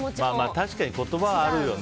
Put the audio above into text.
確かに言葉はあるよね。